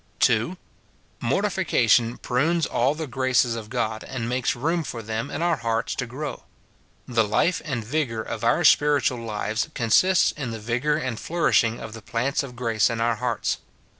(2.) Mortification prunes all the graces of God, and makes room for them in our hearts to grow. The life and vigour of our spiritual lives consists in the vigour and flourishing of the plants of grace in our hearts.